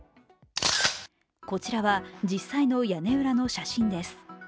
こちらは実際の屋根裏の写真です。